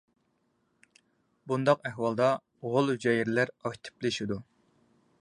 بۇنداق ئەھۋالدا غول ھۈجەيرىلەر ئاكتىپلىشىدۇ.